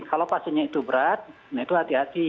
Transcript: kalau pasiennya itu berat nah itu hati hati